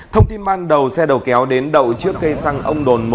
thông tin ban đầu xe đầu kéo đến đầu trước cây xăng ông đồn một